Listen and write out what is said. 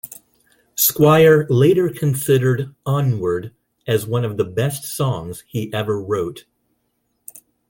Squire later considered "Onward" as one of the best songs he ever wrote.